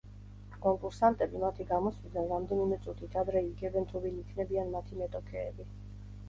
კონკურსანტები მათი გამოსვლიდან რამდენიმე წუთით ადრე იგებენ თუ ვინ იქნებიან მათი მეტოქეები.